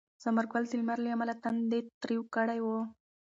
ثمر ګل د لمر له امله تندی تریو کړی و.